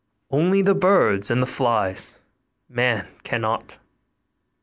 only the birds and the flies man cannot.